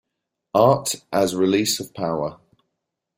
Art as Release of Power.